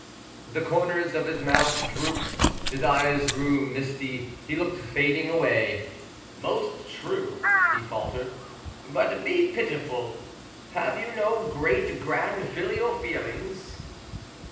The corners of his own mouth drooped; his eyes grew misty; he looked fading away. "Most true," he faltered; "but be pitiful. Have you no great grand filial feelings?"